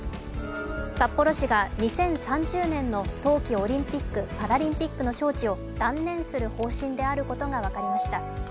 札幌市が２０３０年の冬季オリンピック・パラリンピックの招致を断念する方針であることが分かりました。